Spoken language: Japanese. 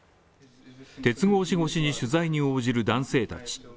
鉄格子越しに取材に応じる男性たち。